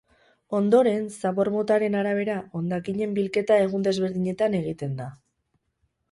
Ondoren, zabor motaren arabera, hondakinen bilketa egun desberdinetan egiten da.